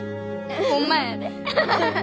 ホンマやで。